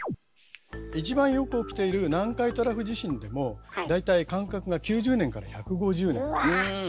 一番よく起きている南海トラフ地震でも大体間隔が９０年から１５０年。